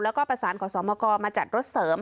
แล้วก็ประสานขอสมกรมาจัดรถเสริม